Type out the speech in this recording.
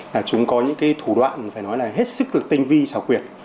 là chúng có những cái thủ đoạn phải nói là hết sức tinh vi xảo quyệt